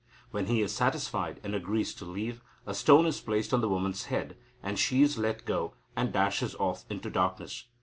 When he is satisfied, and agrees to leave, a stone is placed on the woman's head, and she is let go, and dashes off into darkness.